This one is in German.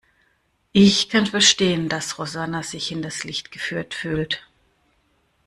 Ich kann verstehen, dass Rosanna sich hinters Licht geführt fühlt.